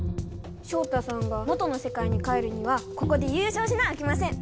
照太さんが元のせかいに帰るにはここで優勝しなあきません。